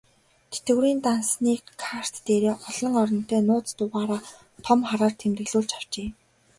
Тэтгэврийн дансны карт дээрээ олон оронтой нууц дугаараа том хараар тэмдэглүүлж авчээ.